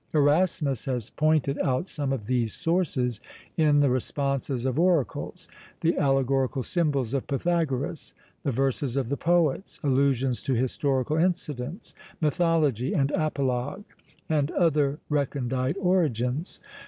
Erasmus has pointed out some of these sources, in the responses of oracles; the allegorical symbols of Pythagoras; the verses of the poets; allusions to historical incidents; mythology and apologue; and other recondite origins.